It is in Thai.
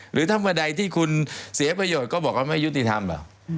หรือถ้าเมื่อใดที่คุณเสียประโยชน์ก็บอกว่าไม่ยุติธรรมเหรอ